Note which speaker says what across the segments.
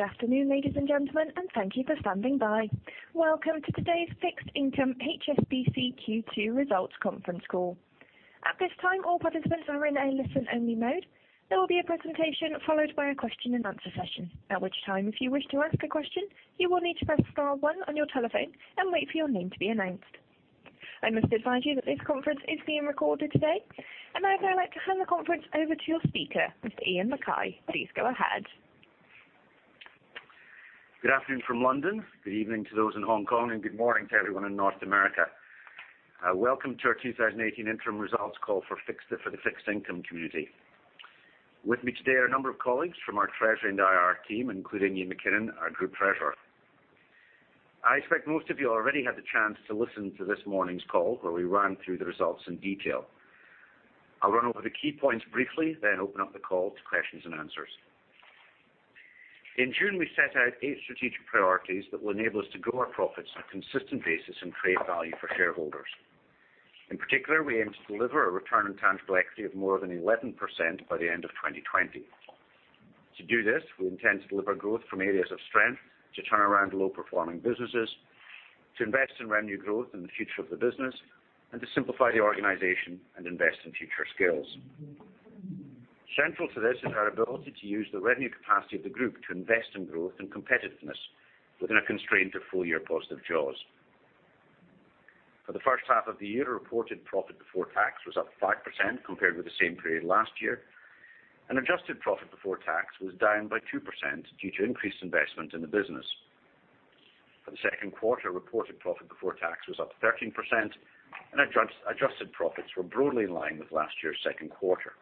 Speaker 1: Good afternoon, ladies and gentlemen, thank you for standing by. Welcome to today's Fixed Income HSBC Q2 Results Conference Call. At this time, all participants are in a listen-only mode. There will be a presentation followed by a question and answer session. At which time, if you wish to ask a question, you will need to press star one on your telephone and wait for your name to be announced. I must advise you that this conference is being recorded today. Now I'd now like to hand the conference over to your speaker, Mr. Iain Mackay. Please go ahead.
Speaker 2: Good afternoon from London. Good evening to those in Hong Kong, and good morning to everyone in North America. Welcome to our 2018 interim results call for the Fixed Income community. With me today are a number of colleagues from our treasury and IR team, including Iain MacKinnon, our group treasurer. I expect most of you already had the chance to listen to this morning's call, where we ran through the results in detail. I'll run over the key points briefly, then open up the call to questions and answers. In June, we set out eight strategic priorities that will enable us to grow our profits on a consistent basis and create value for shareholders. In particular, we aim to deliver a return on tangible equity of more than 11% by the end of 2020. To do this, we intend to deliver growth from areas of strength, to turn around low-performing businesses, to invest in revenue growth in the future of the business, to simplify the organization and invest in future skills. Central to this is our ability to use the revenue capacity of the group to invest in growth and competitiveness within a constraint of full-year positive jaws. For the first half of the year, reported profit before tax was up 5% compared with the same period last year, adjusted profit before tax was down by 2% due to increased investment in the business. For the second quarter, reported profit before tax was up 13% and adjusted profits were broadly in line with last year's second quarter.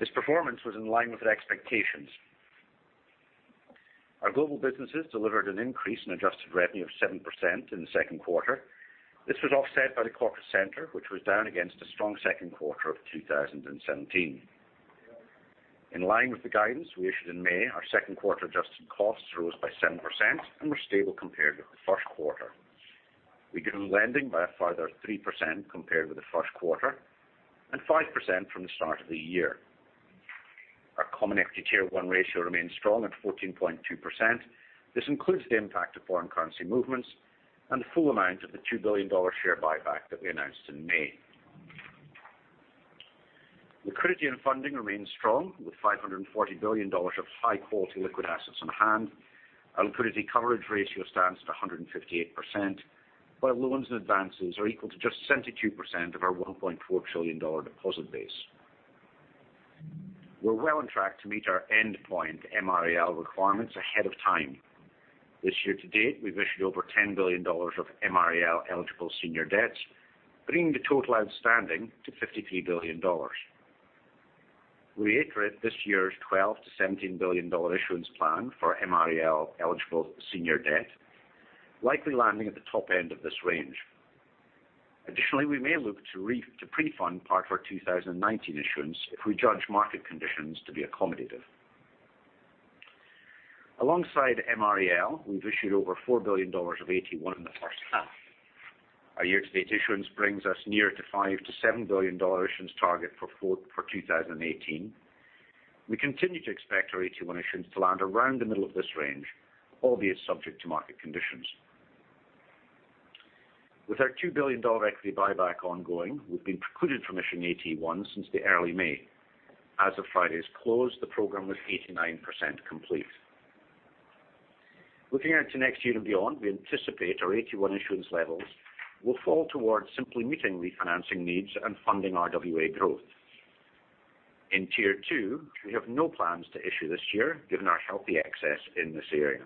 Speaker 2: This performance was in line with our expectations. Our global businesses delivered an increase in adjusted revenue of 7% in the second quarter. This was offset by the corporate center, which was down against a strong second quarter of 2017. In line with the guidance we issued in May, our second quarter adjusted costs rose by 7% and were stable compared with the first quarter. We grew lending by a further 3% compared with the first quarter and 5% from the start of the year. Our common equity Tier 1 ratio remains strong at 14.2%. This includes the impact of foreign currency movements and the full amount of the $2 billion share buyback that we announced in May. Liquidity and funding remains strong with $540 billion of high-quality liquid assets on hand. Our liquidity coverage ratio stands at 158%, while loans and advances are equal to just 72% of our $1.4 trillion deposit base. We're well on track to meet our endpoint MREL requirements ahead of time. This year to date, we've issued over $10 billion of MREL-eligible senior debts, bringing the total outstanding to $53 billion. We reiterate this year's $12 billion-$17 billion issuance plan for MREL-eligible senior debt, likely landing at the top end of this range. We may look to pre-fund part of our 2019 issuance if we judge market conditions to be accommodative. Alongside MREL, we've issued over $4 billion of AT1 in the first half. Our year-to-date issuance brings us near to $5 billion-$7 billion issuance target for 2018. We continue to expect our AT1 issuance to land around the middle of this range, albeit subject to market conditions. With our $2 billion equity buyback ongoing, we've been precluded from issuing AT1 since the early May. As of Friday's close, the program was 89% complete. Looking out to next year and beyond, we anticipate our AT1 issuance levels will fall towards simply meeting refinancing needs and funding RWA growth. In Tier 2, we have no plans to issue this year, given our healthy excess in this area.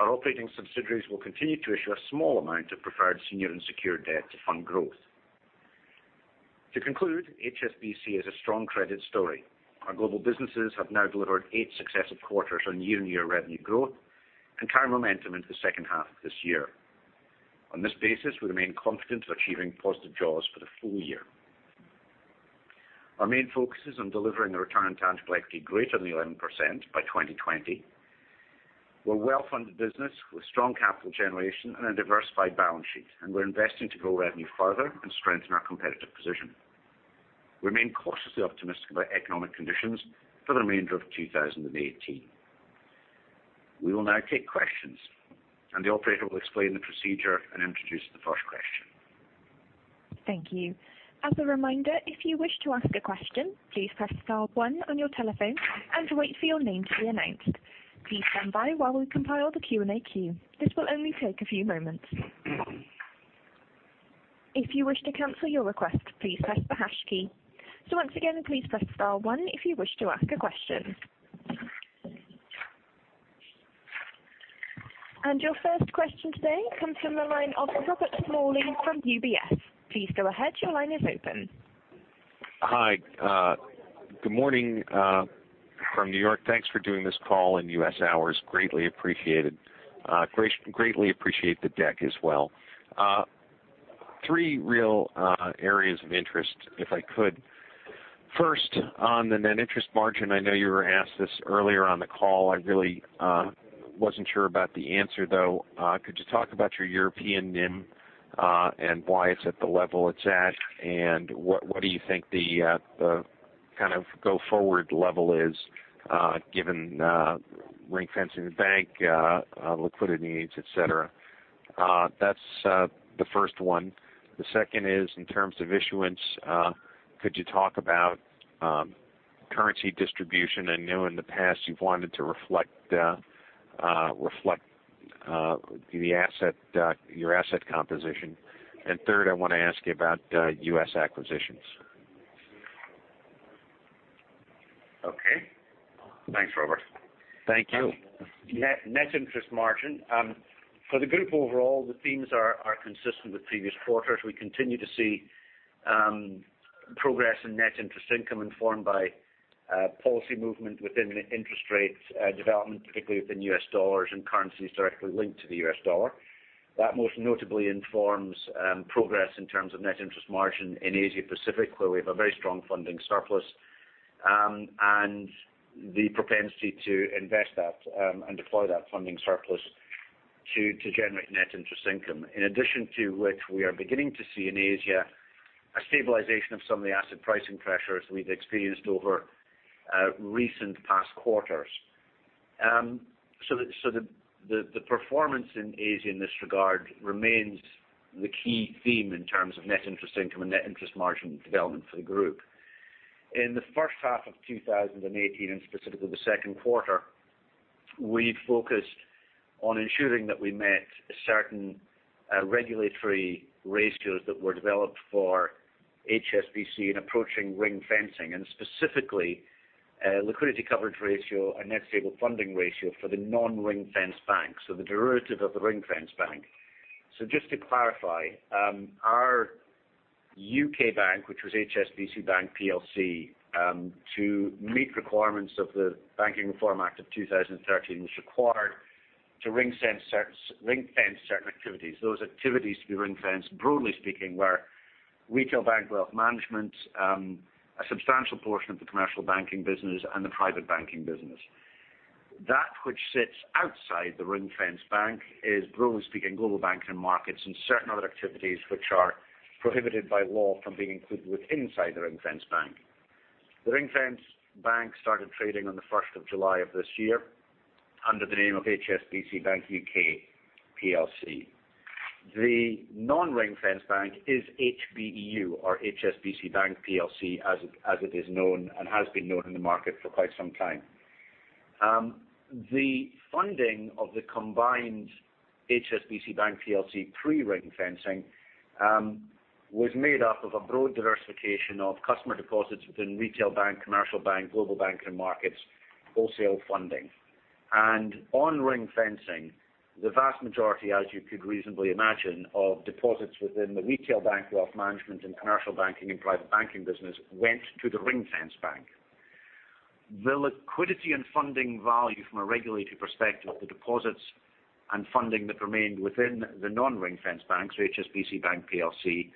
Speaker 2: Our operating subsidiaries will continue to issue a small amount of preferred senior unsecured debt to fund growth. HSBC is a strong credit story. Our global businesses have now delivered eight successive quarters on year-on-year revenue growth and carry momentum into the second half of this year. On this basis, we remain confident of achieving positive jaws for the full year. Our main focus is on delivering a return on tangible equity greater than 11% by 2020. We're a well-funded business with strong capital generation and a diversified balance sheet, and we're investing to grow revenue further and strengthen our competitive position. We remain cautiously optimistic about economic conditions for the remainder of 2018. We will now take questions. The operator will explain the procedure and introduce the first question.
Speaker 1: Thank you. As a reminder, if you wish to ask a question, please press star one on your telephone and wait for your name to be announced. Please stand by while we compile the Q&A queue. This will only take a few moments. If you wish to cancel your request, please press the hash key. Once again, please press star one if you wish to ask a question. Your first question today comes from the line of Robert Smialy from UBS. Please go ahead. Your line is open.
Speaker 3: Hi. Good morning from New York. Thanks for doing this call in U.S. hours, greatly appreciated. Greatly appreciate the deck as well. Three real areas of interest, if I could. First, on the net interest margin, I know you were asked this earlier on the call. I really wasn't sure about the answer, though. Could you talk about your European NIM? Why it's at the level it's at, and what do you think the go forward level is given ring-fencing the bank, liquidity needs, et cetera? That's the first one. The second is, in terms of issuance, could you talk about currency distribution? I know in the past you've wanted to reflect your asset composition. Third, I want to ask you about U.S. acquisitions.
Speaker 2: Okay. Thanks, Robert.
Speaker 3: Thank you.
Speaker 2: Net interest margin. For the group overall, the themes are consistent with previous quarters. We continue to see progress in net interest income informed by policy movement within interest rate development, particularly within U.S. dollars and currencies directly linked to the U.S. dollar. That most notably informs progress in terms of net interest margin in Asia Pacific, where we have a very strong funding surplus, and the propensity to invest that and deploy that funding surplus to generate net interest income. In addition to which, we are beginning to see in Asia a stabilization of some of the asset pricing pressures we've experienced over recent past quarters. The performance in Asia in this regard remains the key theme in terms of net interest income and net interest margin development for the group. In the first half of 2018, and specifically the second quarter, we'd focused on ensuring that we met certain regulatory ratios that were developed for HSBC in approaching ring-fencing, and specifically liquidity coverage ratio and net stable funding ratio for the non-ring-fenced banks. The derivative of the ring-fenced bank. Just to clarify, our U.K. bank, which was HSBC Bank PLC, to meet requirements of the Banking Reform Act of 2013, was required to ring-fence certain activities. Those activities to be ring-fenced, broadly speaking, were retail bank wealth management, a substantial portion of the commercial banking business, and the private banking business. That which sits outside the ring-fenced bank is, broadly speaking, global banking markets and certain other activities which are prohibited by law from being included within inside the ring-fenced bank. The ring-fenced bank started trading on the first of July of this year under the name of HSBC Bank UK PLC. The non-ring-fenced bank is HBEU, or HSBC Bank PLC, as it is known and has been known in the market for quite some time. The funding of the combined HSBC Bank PLC pre-ring-fencing was made up of a broad diversification of customer deposits within retail bank, commercial bank, global banking markets, wholesale funding. On ring-fencing, the vast majority, as you could reasonably imagine, of deposits within the retail bank wealth management and commercial banking and private banking business went to the ring-fenced bank. The liquidity and funding value from a regulatory perspective, the deposits and funding that remained within the non-ring-fenced banks, so HSBC Bank PLC,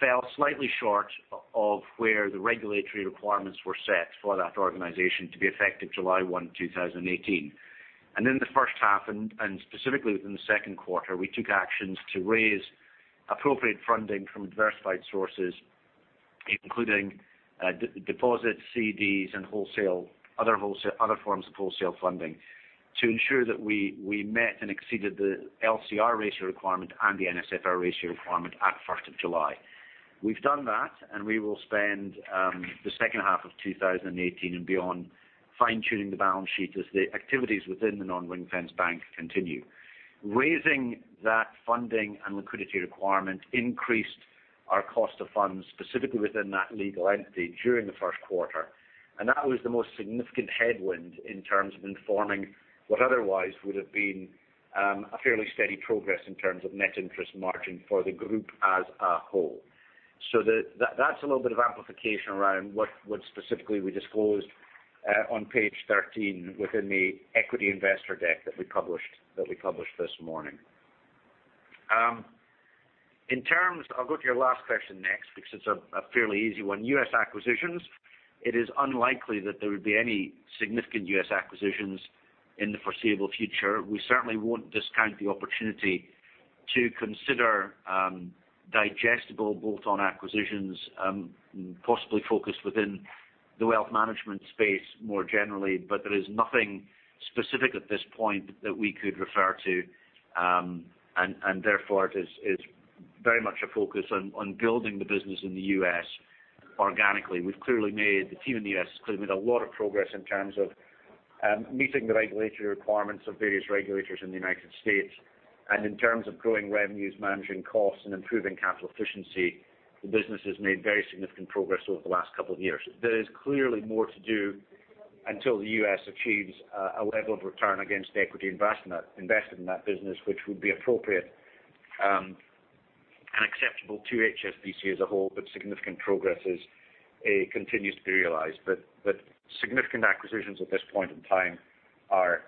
Speaker 2: fell slightly short of where the regulatory requirements were set for that organization to be effective July 1, 2018. In the first half, and specifically within the second quarter, we took actions to raise appropriate funding from diversified sources, including deposits, CDs, and other forms of wholesale funding, to ensure that we met and exceeded the LCR ratio requirement and the NSFR ratio requirement at the first of July. We've done that, and we will spend the second half of 2018 and beyond fine-tuning the balance sheet as the activities within the non-ring-fenced bank continue. Raising that funding and liquidity requirement increased our cost of funds specifically within that legal entity during the first quarter. That was the most significant headwind in terms of informing what otherwise would have been a fairly steady progress in terms of net interest margin for the group as a whole. That's a little bit of amplification around what specifically we disclosed on page 13 within the equity investor deck that we published this morning. I'll go to your last question next, because it's a fairly easy one. U.S. acquisitions. It is unlikely that there would be any significant U.S. acquisitions in the foreseeable future. We certainly won't discount the opportunity to consider digestible bolt-on acquisitions, possibly focused within the wealth management space more generally. There is nothing specific at this point that we could refer to. Therefore, it is very much a focus on building the business in the U.S. organically. The team in the U.S. has clearly made a lot of progress in terms of meeting the regulatory requirements of various regulators in the United States. In terms of growing revenues, managing costs, and improving capital efficiency, the business has made very significant progress over the last couple of years. There is clearly more to do until the U.S. achieves a level of return against the equity invested in that business, which would be appropriate and acceptable to HSBC as a whole, significant progress continues to be realized. Significant acquisitions at this point in time are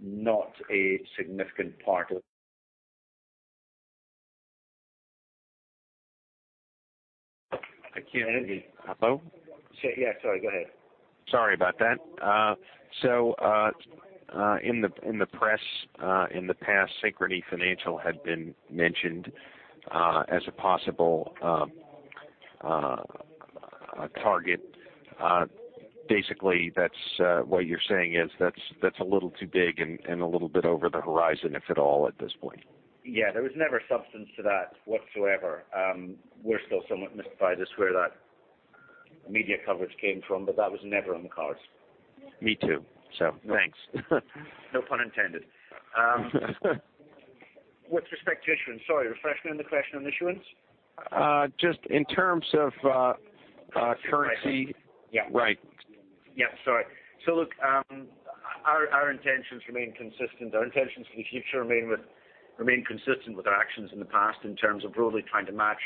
Speaker 2: not a significant part of
Speaker 3: I can't hear you. Hello?
Speaker 2: Yeah, sorry. Go ahead.
Speaker 3: Sorry about that. In the press, in the past, Synchrony Financial had been mentioned as a possible target. Basically, that's what you're saying is that's a little too big and a little bit over the horizon, if at all, at this point.
Speaker 2: Yeah. There was never substance to that whatsoever. We're still somewhat mystified as to where that media coverage came from, but that was never on the cards.
Speaker 3: Me too. Thanks.
Speaker 2: No pun intended. With respect to issuance. Sorry, refresh the question on issuance.
Speaker 3: Just in terms of currency.
Speaker 2: Yeah.
Speaker 3: Right.
Speaker 2: Sorry. Our intentions remain consistent. Our intentions for the future remain consistent with our actions in the past, in terms of broadly trying to match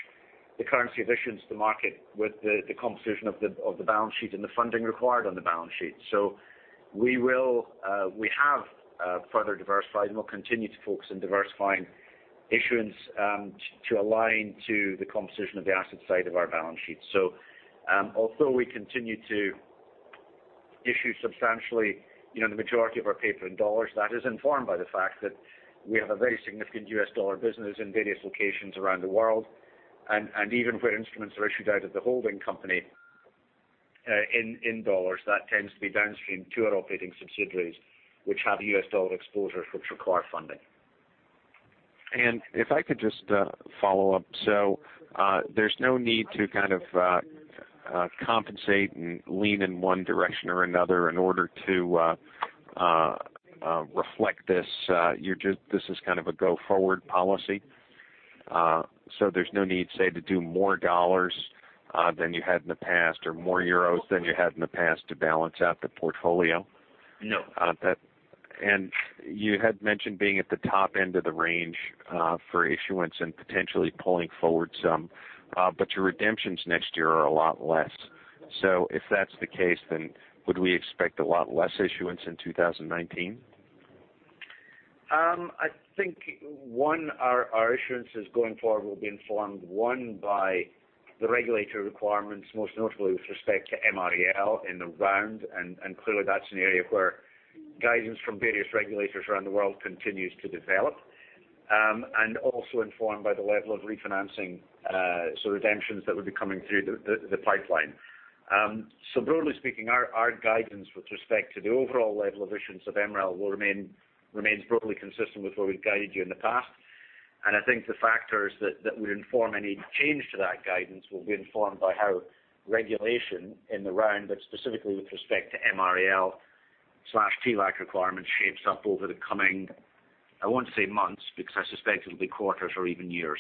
Speaker 2: the currency of issuance to market with the composition of the balance sheet and the funding required on the balance sheet. We have further diversified and we'll continue to focus on diversifying issuance to align to the composition of the asset side of our balance sheet. Although we continue to issue substantially, the majority of our paper in $, that is informed by the fact that we have a very significant U.S. dollar business in various locations around the world. Even where instruments are issued out of the holding company in $, that tends to be downstream to our operating subsidiaries, which have U.S. dollar exposures, which require funding.
Speaker 3: If I could just follow up. There's no need to kind of compensate and lean in one direction or another in order to reflect this. This is kind of a go-forward policy. There's no need, say, to do more $ than you had in the past, or more EUR than you had in the past to balance out the portfolio?
Speaker 2: No.
Speaker 3: You had mentioned being at the top end of the range for issuance and potentially pulling forward some, but your redemptions next year are a lot less. If that's the case, would we expect a lot less issuance in 2019?
Speaker 2: I think our issuance is going forward will be informed, one, by the regulatory requirements, most notably with respect to MREL in the round. Clearly that's an area where guidance from various regulators around the world continues to develop. Also informed by the level of refinancing, redemptions that would be coming through the pipeline. Broadly speaking, our guidance with respect to the overall level of issuance of MREL remains broadly consistent with where we've guided you in the past. I think the factors that would inform any change to that guidance will be informed by how regulation in the round, but specifically with respect to MREL/TLAC requirements, shapes up over the coming, I won't say months, because I suspect it'll be quarters or even years.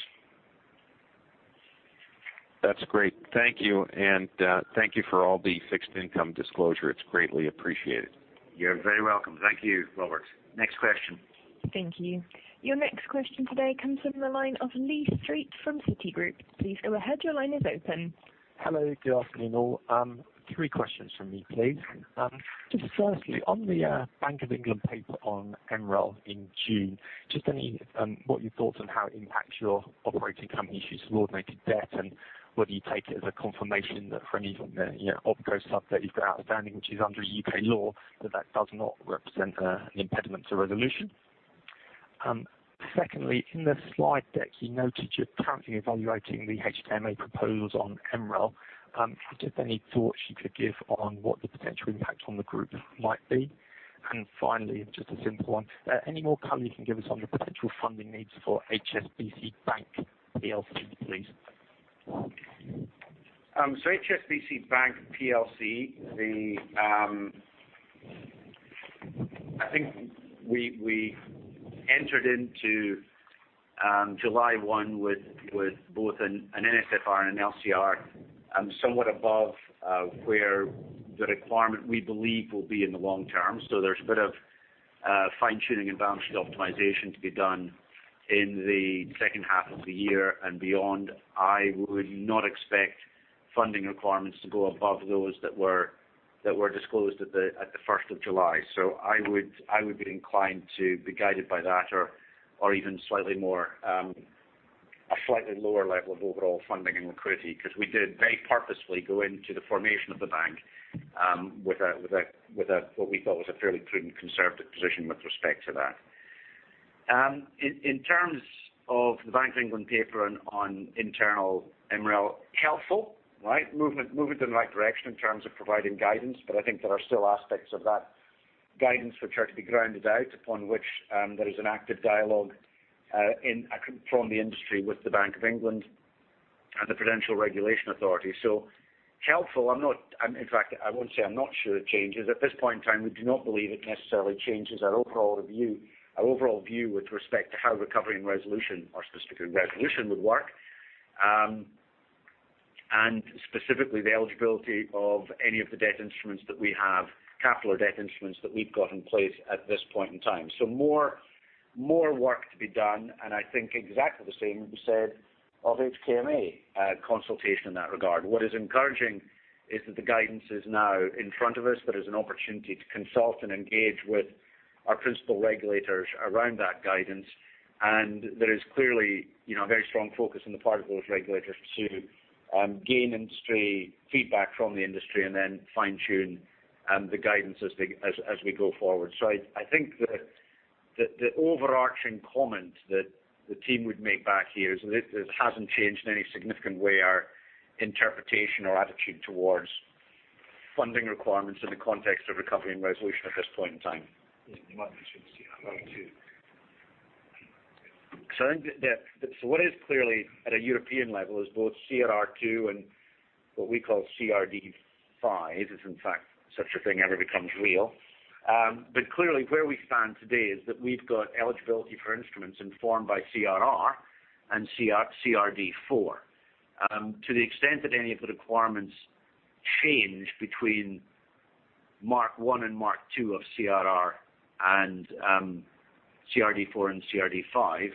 Speaker 3: That's great. Thank you. Thank you for all the fixed income disclosure. It's greatly appreciated.
Speaker 2: You're very welcome. Thank you, Robert. Next question.
Speaker 1: Thank you. Your next question today comes from the line of Lee Street from Citigroup. Please go ahead. Your line is open.
Speaker 4: Hello. Good afternoon all. Three questions from me, please. Just firstly, on the Bank of England paper on MREL in June, just what are your thoughts on how it impacts your operating company issues of subordinated debt, and whether you take it as a confirmation that for any opco sub that you've got outstanding, which is under U.K. law, that that does not represent an impediment to resolution? Secondly, in the slide deck, you noted you're currently evaluating the HKMA proposals on MREL. Just any thoughts you could give on what the potential impact on the group might be? Finally, just a simple one. Any more color you can give us on your potential funding needs for HSBC Bank plc, please?
Speaker 2: HSBC Bank plc, I think we entered into July 1 with both an NSFR and an LCR, somewhat above where the requirement we believe will be in the long term. There's a bit of fine-tuning and balance sheet optimization to be done in the second half of the year and beyond. I would not expect funding requirements to go above those that were disclosed at the 1st of July. I would be inclined to be guided by that or even a slightly lower level of overall funding and liquidity, because we did very purposefully go into the formation of the bank with what we thought was a fairly prudent, conservative position with respect to that. In terms of the Bank of England paper on internal MREL, helpful, right. Movement in the right direction in terms of providing guidance. I think there are still aspects of that guidance which are to be grounded out, upon which there is an active dialogue from the industry with the Bank of England and the Prudential Regulation Authority. Helpful. In fact, I won't say I'm not sure it changes. At this point in time, we do not believe it necessarily changes our overall view with respect to how recovery and resolution, or specifically resolution would work. Specifically, the eligibility of any of the debt instruments that we have, capital or debt instruments that we've got in place at this point in time. More work to be done, and I think exactly the same that we said of HKMA consultation in that regard. What is encouraging is that the guidance is now in front of us. There is an opportunity to consult and engage with our principal regulators around that guidance. There is clearly a very strong focus on the part of those regulators to gain industry feedback from the industry and then fine-tune the guidance as we go forward. I think that the overarching comment that the team would make back here is that it hasn't changed in any significant way our interpretation or attitude towards funding requirements in the context of recovery and resolution at this point in time.
Speaker 4: You might mention CRR II.
Speaker 2: I think that what is clearly at a European level is both CRR II and what we call CRD V, if in fact such a thing ever becomes real. Clearly, where we stand today is that we've got eligibility for instruments informed by CRR and CRD IV. To the extent that any of the requirements change between Mark I and Mark II of CRR and CRD IV and CRD V,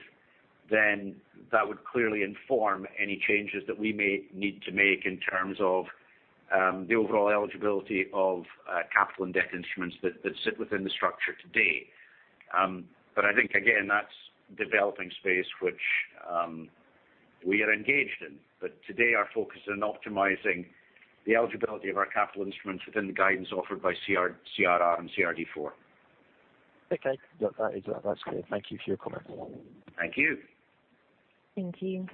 Speaker 2: that would clearly inform any changes that we may need to make in terms of the overall eligibility of capital and debt instruments that sit within the structure today. I think, again, that's developing space, which we are engaged in. Today our focus is on optimizing the eligibility of our capital instruments within the guidance offered by CRR and CRD IV.
Speaker 4: Okay. That's clear. Thank you for your comment.
Speaker 2: Thank you.
Speaker 1: Thank you.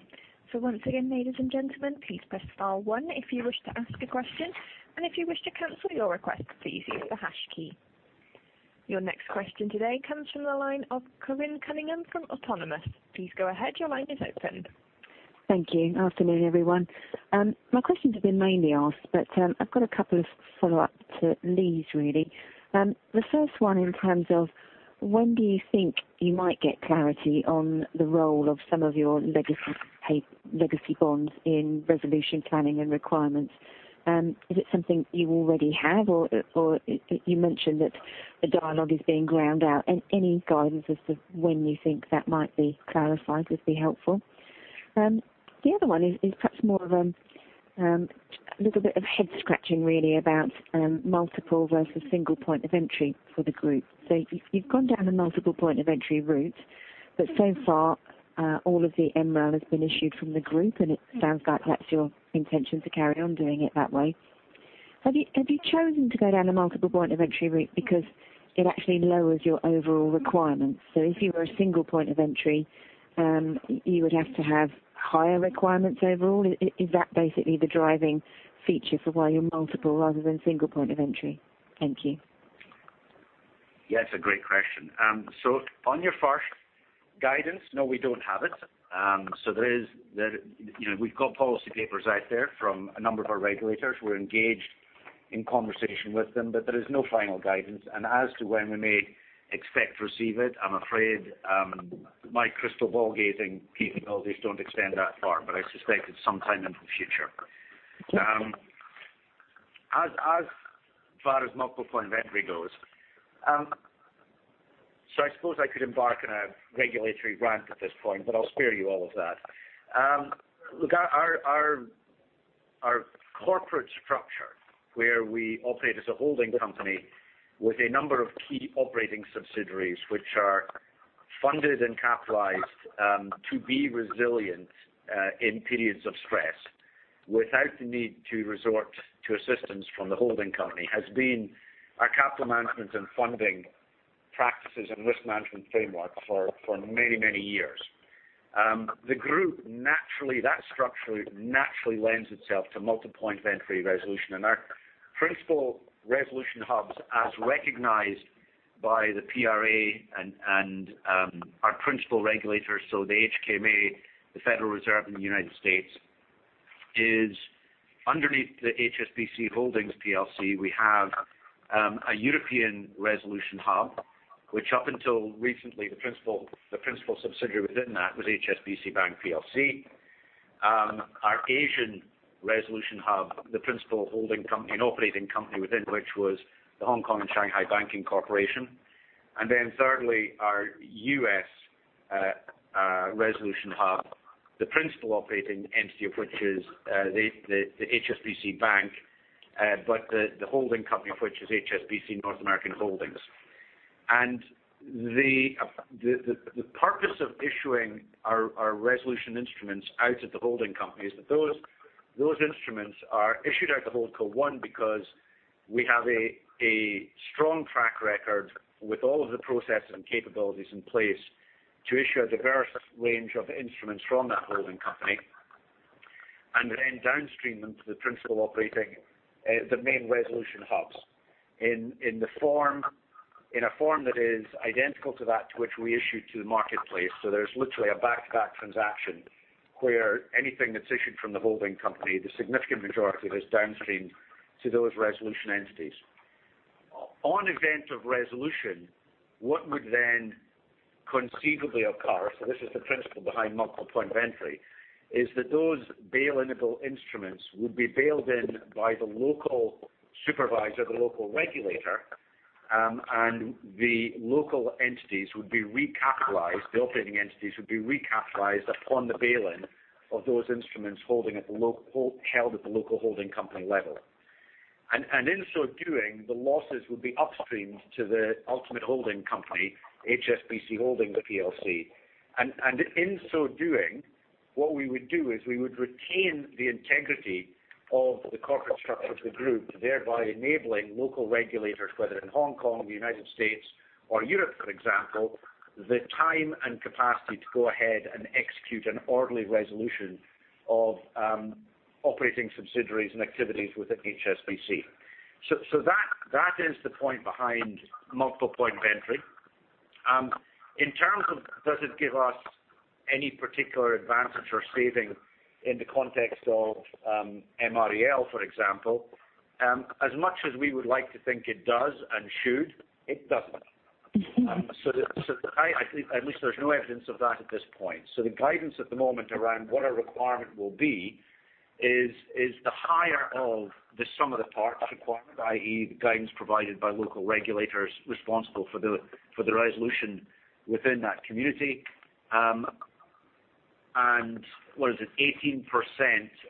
Speaker 1: Once again, ladies and gentlemen, please press star one if you wish to ask a question, and if you wish to cancel your request, please use the hash key. Your next question today comes from the line of Corinne Cunningham from Autonomous. Please go ahead. Your line is open.
Speaker 5: Thank you. Afternoon, everyone. My question's been mainly asked, but I've got a couple of follow-ups to Lee's, really. The first one in terms of when do you think you might get clarity on the role of some of your legacy bonds in resolution planning and requirements. Is it something you already have, or you mentioned that a dialogue is being ground out. Any guidance as to when you think that might be clarified would be helpful. The other one is perhaps more of a little bit of head-scratching, really, about multiple versus single point of entry for the group. You've gone down a multiple point of entry route, but so far all of the MREL has been issued from the group, and it sounds like that's your intention to carry on doing it that way. Have you chosen to go down a multiple point of entry route because it actually lowers your overall requirements? If you were a single point of entry, you would have to have higher requirements overall. Is that basically the driving feature for why you're multiple rather than single point of entry? Thank you.
Speaker 2: Yeah, it's a great question. On your first guidance, no, we don't have it. We've got policy papers out there from a number of our regulators. We're engaged in conversation with them, but there is no final guidance. As to when we may expect to receive it, I'm afraid my crystal ball gazing capabilities don't extend that far, but I suspect it's sometime in the future. As far as multiple point of entry goes, so I suppose I could embark on a regulatory rant at this point, but I'll spare you all of that. Look, our corporate structure, where we operate as a holding company with a number of key operating subsidiaries, which are funded and capitalized to be resilient in periods of stress without the need to resort to assistance from the holding company, has been our capital management and funding practices and risk management framework for many, many years. The group, that structure naturally lends itself to multiple point of entry resolution, and our principal resolution hubs, as recognized by the PRA and our principal regulators, so the HKMA, the Federal Reserve in the U.S., is underneath the HSBC Holdings plc, we have a European resolution hub, which up until recently, the principal subsidiary within that was HSBC Bank plc. Our Asian resolution hub, the principal holding company and operating company within which was The Hongkong and Shanghai Banking Corporation. Thirdly, our U.S. resolution hub, the principal operating entity of which is HSBC Bank USA, N.A., but the holding company of which is HSBC North America Holdings. The purpose of issuing our resolution instruments out of the holding company is that those instruments are issued out of the holdco, one, because we have a strong track record with all of the processes and capabilities in place to issue a diverse range of instruments from that holding company and then downstream them to the principal operating the main resolution hubs in a form that is identical to that which we issue to the marketplace. There's literally a back-to-back transaction where anything that's issued from the holding company, the significant majority of it is downstreamed to those resolution entities. On event of resolution, what would then conceivably occur, so this is the principle behind multiple point of entry, is that those bail-inable instruments would be bailed in by the local supervisor, the local regulator, and the local entities would be recapitalized, the operating entities would be recapitalized upon the bail-in of those instruments held at the local holding company level. In so doing, the losses would be upstreamed to the ultimate holding company, HSBC Holdings plc. In so doing, what we would do is we would retain the integrity of the corporate structure of the group, thereby enabling local regulators, whether in Hong Kong, the U.S., or Europe, for example, the time and capacity to go ahead and execute an orderly resolution of operating subsidiaries and activities within HSBC. That is the point behind multiple point of entry. In terms of does it give us any particular advantage or saving in the context of MREL, for example, as much as we would like to think it does and should, it doesn't. At least there's no evidence of that at this point. The guidance at the moment around what a requirement will be is the higher of the sum of the parts required, i.e., the guidance provided by local regulators responsible for the resolution within that community. What is it? 18%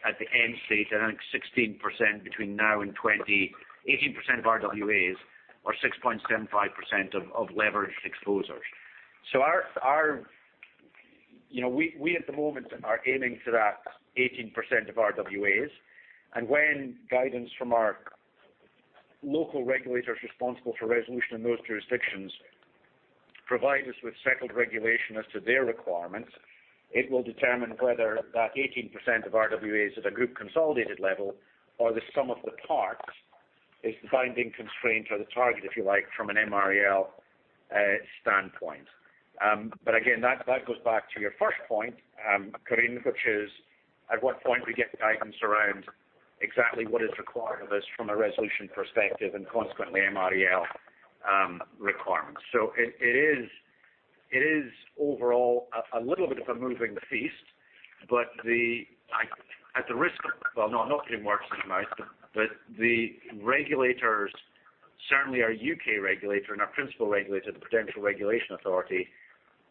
Speaker 2: at the end state, and I think 16% between now and 2020, 18% of RWAs or 6.75% of leveraged exposures. We at the moment are aiming for that 18% of RWAs, when guidance from our local regulators responsible for resolution in those jurisdictions provide us with settled regulation as to their requirements, it will determine whether that 18% of RWAs at a group consolidated level or the sum of the parts is the binding constraint or the target, if you like, from an MREL standpoint. Again, that goes back to your first point, Corinne, which is at what point we get guidance around exactly what is required of us from a resolution perspective and consequently MREL requirements. It is overall a little bit of a moving feast. Well, not putting words in his mouth, but the regulators, certainly our U.K. regulator and our principal regulator, the Prudential Regulation Authority,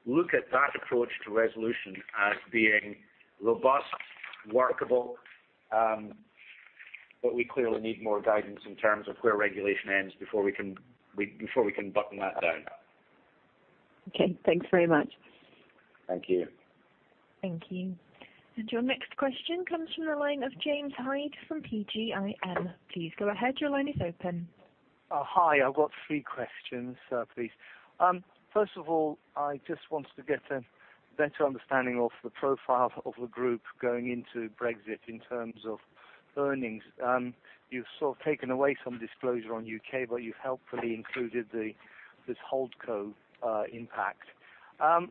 Speaker 2: look at that approach to resolution as being robust, workable. We clearly need more guidance in terms of where regulation ends before we can button that down.
Speaker 5: Okay. Thanks very much.
Speaker 2: Thank you.
Speaker 1: Thank you. Your next question comes from the line of James Hyde from PGIM. Please go ahead. Your line is open.
Speaker 6: Hi. I've got three questions, please. First of all, I just wanted to get a better understanding of the profile of the group going into Brexit in terms of earnings. You've sort of taken away some disclosure on U.K., but you've helpfully included this Holdco impact.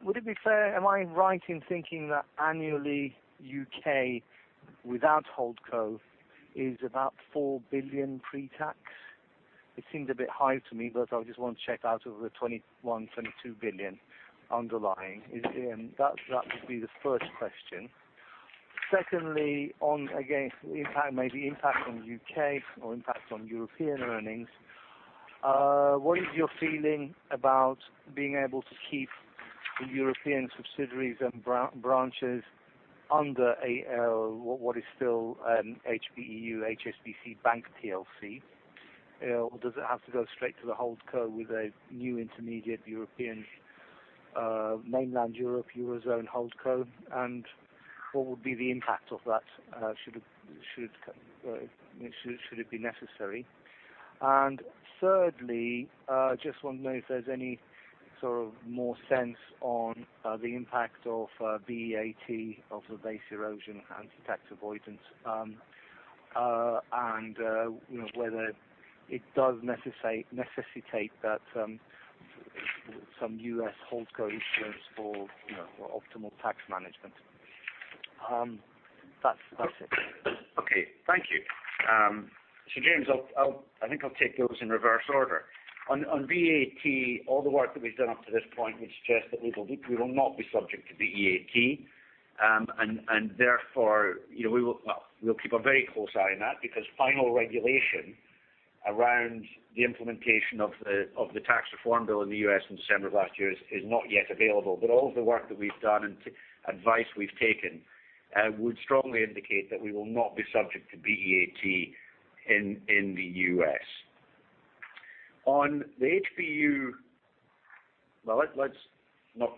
Speaker 6: Would it be fair, am I right in thinking that annually U.K. without Holdco is about $4 billion pre-tax? It seems a bit high to me, but I just want to check out of the $21, $22 billion underlying. That would be the first question. Secondly, maybe impact on U.K. or impact on European earnings. What is your feeling about being able to keep the European subsidiaries and branches under what is still HBEU, HSBC Bank plc? Does it have to go straight to the Holdco with a new intermediate European Mainland Europe, Eurozone Holdco? What would be the impact of that, should it be necessary? Thirdly, I just want to know if there's any sort of more sense on the impact of BEAT, of the base erosion anti-tax avoidance, and whether it does necessitate that some U.S. Holdco issuance for optimal tax management. That's it.
Speaker 2: Okay. Thank you. James, I think I'll take those in reverse order. On BEAT, all the work that we've done up to this point would suggest that we will not be subject to BEAT. We'll keep a very close eye on that because final regulation around the implementation of the tax reform bill in the U.S. in December of last year is not yet available. All of the work that we've done and advice we've taken would strongly indicate that we will not be subject to BEAT in the U.S. On the HBEU, well, not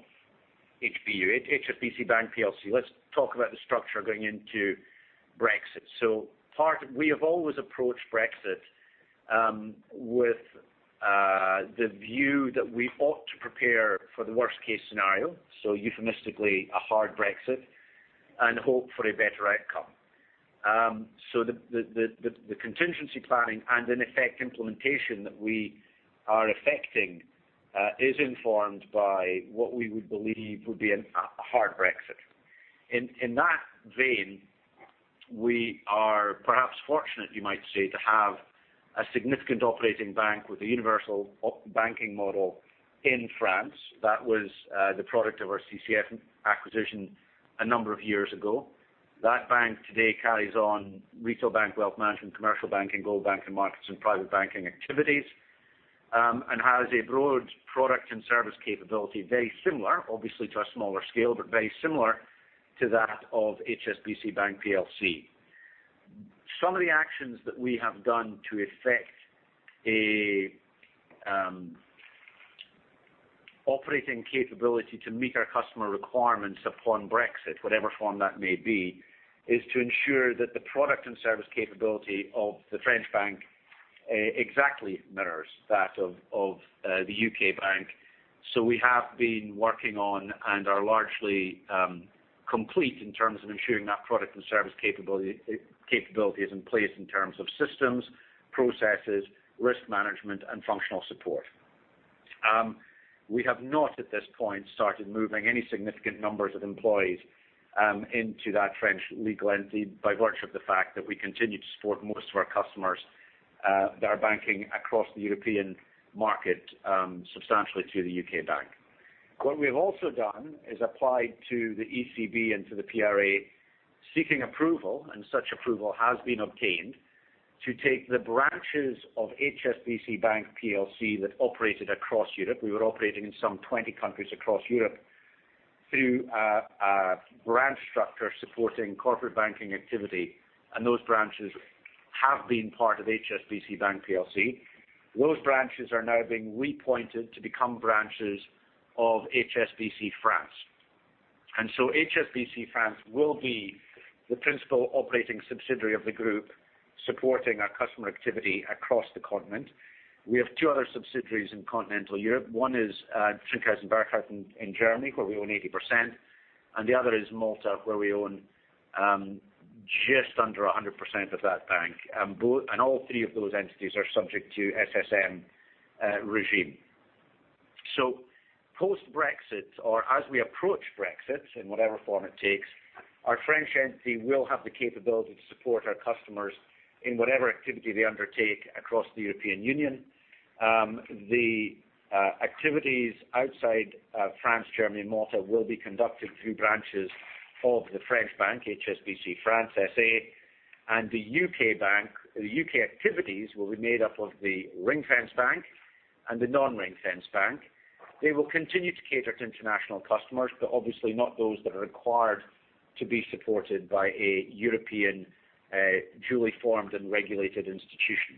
Speaker 2: [HBEU], HSBC Bank plc, let's talk about the structure going into Brexit. We have always approached Brexit with the view that we ought to prepare for the worst-case scenario, so euphemistically, a hard Brexit, and hope for a better outcome. The contingency planning and in effect implementation that we are effecting is informed by what we would believe would be a hard Brexit. In that vein, we are perhaps fortunate, you might say, to have a significant operating bank with a universal banking model in France. That was the product of our CCF acquisition a number of years ago. That bank today carries on retail bank, wealth management, commercial banking, global bank, and markets and private banking activities. Has a broad product and service capability, very similar, obviously, to a smaller scale, but very similar to that of HSBC Bank plc. Some of the actions that we have done to effect a operating capability to meet our customer requirements upon Brexit, whatever form that may be, is to ensure that the product and service capability of the French bank exactly mirrors that of the U.K. bank. We have been working on, and are largely complete in terms of ensuring that product and service capability is in place in terms of systems, processes, risk management, and functional support. We have not, at this point, started moving any significant numbers of employees into that French legal entity by virtue of the fact that we continue to support most of our customers that are banking across the European market, substantially through the U.K. bank. We've also done is applied to the ECB and to the PRA, seeking approval, and such approval has been obtained, to take the branches of HSBC Bank plc that operated across Europe. We were operating in some 20 countries across Europe through a branch structure supporting corporate banking activity, and those branches have been part of HSBC Bank plc. Those branches are now being repointed to become branches of HSBC France. HSBC France will be the principal operating subsidiary of the group supporting our customer activity across the continent. We have two other subsidiaries in continental Europe. One is Trinkaus & Burkhardt in Germany, where we own 80%, and the other is Malta, where we own just under 100% of that bank. All three of those entities are subject to SSM regime. Post-Brexit, or as we approach Brexit, in whatever form it takes, our French entity will have the capability to support our customers in whatever activity they undertake across the European Union. The activities outside France, Germany, and Malta will be conducted through branches of the French bank, HSBC France SA. The U.K. activities will be made up of the ring-fenced bank and the non-ring-fenced bank. They will continue to cater to international customers, but obviously not those that are required to be supported by a European, duly formed and regulated institution.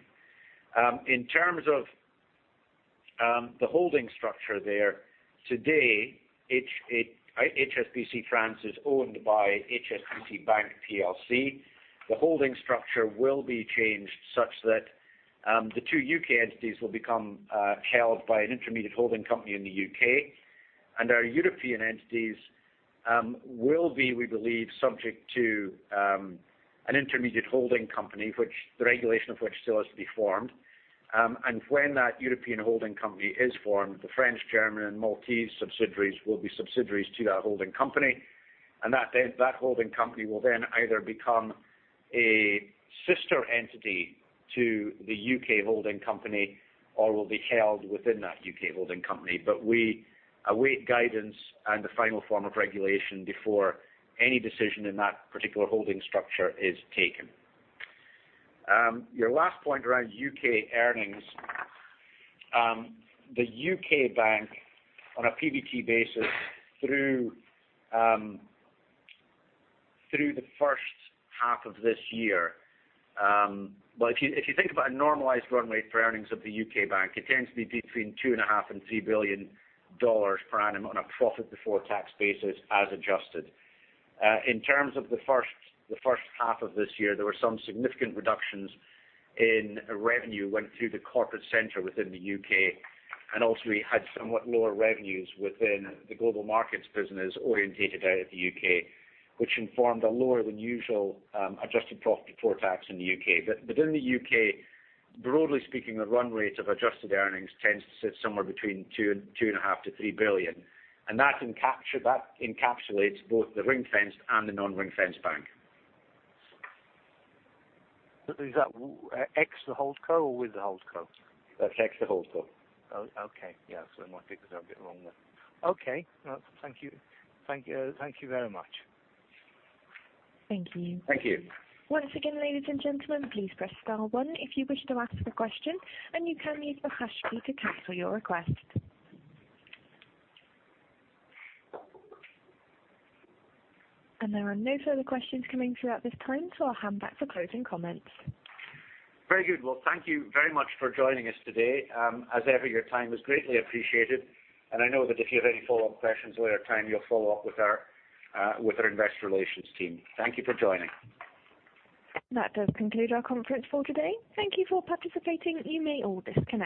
Speaker 2: In terms of the holding structure there, today, HSBC France is owned by HSBC Bank plc. The holding structure will be changed such that the two U.K. entities will become held by an intermediate holding company in the U.K. Our European entities will be, we believe, subject to an intermediate holding company, the regulation of which still has to be formed. When that European holding company is formed, the French, German, and Maltese subsidiaries will be subsidiaries to that holding company. That holding company will then either become a sister entity to the U.K. holding company or will be held within that U.K. holding company. We await guidance and the final form of regulation before any decision in that particular holding structure is taken. Your last point around U.K. earnings. The U.K. bank on a PBT basis through the first half of this year. If you think about a normalized runway for earnings of the U.K. bank, it tends to be between 2.5 billion and GBP 3 billion per annum on a profit before tax basis as adjusted. In terms of the first half of this year, there were some significant reductions in revenue, went through the corporate center within the U.K., and also we had somewhat lower revenues within the global markets business orientated out of the U.K., which informed a lower than usual adjusted profit before tax in the U.K. Within the U.K., broadly speaking, the run rate of adjusted earnings tends to sit somewhere between 2.5 billion to 3 billion. That encapsulates both the ring-fence and the non-ring-fence bank.
Speaker 6: Is that ex the holdco or with the holdco?
Speaker 2: That's ex the holdco.
Speaker 6: Okay. Yeah. My figures are a bit wrong then. Okay. No, thank you. Thank you very much.
Speaker 1: Thank you.
Speaker 2: Thank you.
Speaker 1: Once again, ladies and gentlemen, please press star one if you wish to ask a question, and you can use the hash key to cancel your request. There are no further questions coming through at this time, so I'll hand back for closing comments.
Speaker 2: Very good. Well, thank you very much for joining us today. As ever, your time is greatly appreciated, and I know that if you have any follow-up questions later time, you'll follow up with our investor relations team. Thank you for joining.
Speaker 1: That does conclude our conference for today. Thank you for participating. You may all disconnect.